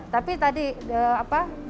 tapi tadi juga bimbingan